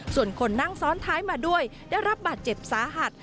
ส่วนคนนั่งซ้อนท้ายมาด้วยได้รับบาดเจ็บสาหัส